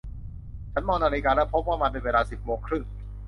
ฉันมองนาฬิกาและพบว่ามันเป็นเวลาสิบโมงครึ่ง